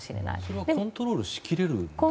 それはコントロールしきれるものですか？